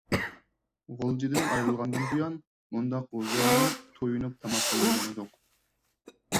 غۇلجىدىن ئايرىلغاندىن بۇيان، مۇنداق ھۇزۇرلىنىپ، تويۇنۇپ تاماق يېمىگەن ئىدۇق.